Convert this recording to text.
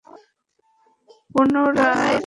পুনরায় খতিয়ে দেখার মতো সময় আমার কাছে ছিল না।